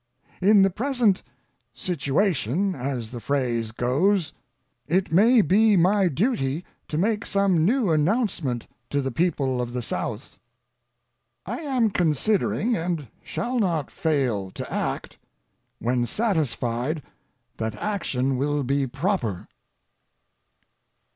In the present "situation" as the phrase goes, it may be my duty to make some new announcement to the people of the South. I am considering, and shall not fail to act, when satisfied that action will be proper.